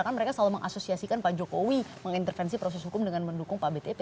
kan mereka selalu mengasosiasikan pak jokowi mengintervensi proses hukum dengan mendukung pak btp